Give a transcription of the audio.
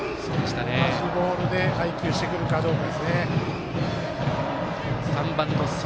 同じボールで配球してくるかどうか。